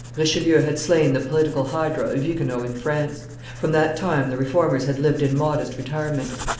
Richelieu had slain the political hydra of Huguenots in France; from that time the Reformers had lived in modest retirement.